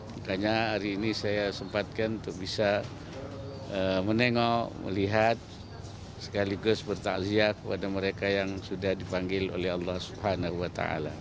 makanya hari ini saya sempatkan untuk bisa menengok melihat sekaligus bertakziah kepada mereka yang sudah dipanggil oleh allah swt